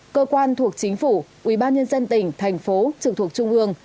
cơ quan thuộc chính phủ ubnd tỉnh thành phố trực thuộc trung ương